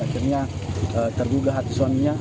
akhirnya tergugah hati suaminya